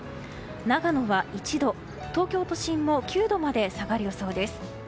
長野は１度、東京都心も９度まで下がる予想です。